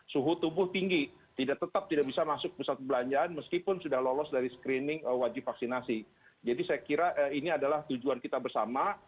jadi saya kira ini adalah tujuan kita bersama